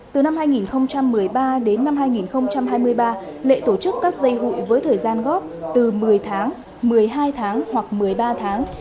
từ năm hai nghìn một mươi ba đến năm hai nghìn hai mươi ba lệ tổ chức các dây hụi với thời gian góp từ một mươi tháng một mươi hai tháng hoặc một mươi ba tháng